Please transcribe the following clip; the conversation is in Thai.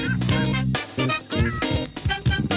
เดี๋ยวเราไปถาม